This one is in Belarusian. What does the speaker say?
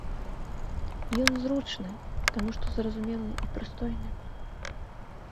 Ён зручны, таму што зразумелы і прыстойны.